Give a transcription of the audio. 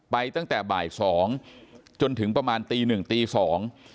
ตั้งแต่บ่ายสองจนถึงประมาณตีหนึ่งตีสอง